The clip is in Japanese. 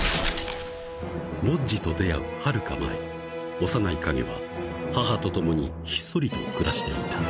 ［ボッジと出会うはるか前幼いカゲは母と共にひっそりと暮らしていた］